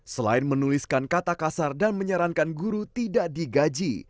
selain menuliskan kata kasar dan menyarankan guru tidak digaji